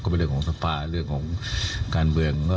เป็นเรื่องของสภาเรื่องของการเมือง